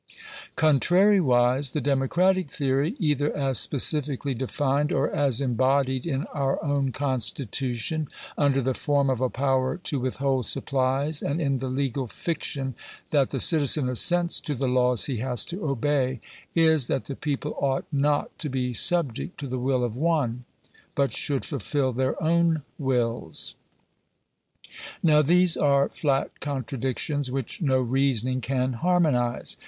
Contrariwise the democratic theory — either as specifically defined, or as embodied in our own constitution under the form of a power to withhold supplies and in the legal fiction that the citizen assents to the laws he has to obey — is, that the people ought not to be subject to the will of one, but should fulfil their own wills. Digitized by VjOOQIC GENERAL CONSIDERATIONS. 429 Now these are flat contradictions, which no reasoning can harmonize.